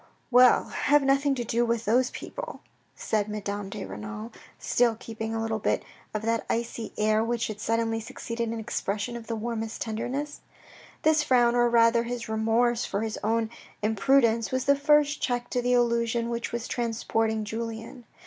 " Well, have nothing to do with those people," said Madame de Renal, still keeping a little of that icy air which had suddenly succeeded an expression of the warmest tenderness. This frown, or rather his remorse for his own imprudence, was the first check to the illusion which was transporting' Julien.